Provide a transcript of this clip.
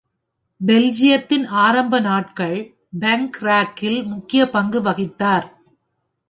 பெல்ஜியத்தின் ஆரம்ப நாட்கள் பங்க் ராக்கில் முக்கிய பங்கு வகித்தார்.